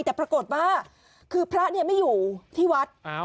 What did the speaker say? แต่ปรากฏว่าคือพระเนี้ยไม่อยู่ที่วัดอ้าว